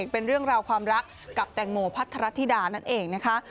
เป็นเรื่องราวความรักกับแตงโมพัทรธิดานั่นเองนะคะ